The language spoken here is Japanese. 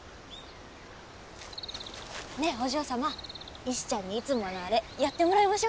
ねえお嬢様石ちゃんにいつものあれやってもらいましょうか。